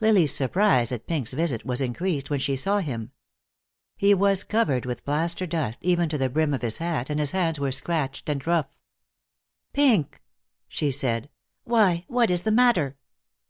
Lily's surprise at Pink's visit was increased when she saw him. He was covered with plaster dust, even to the brim of his hat, and his hands were scratched and rough. "Pink!" she said. "Why, what is the matter?"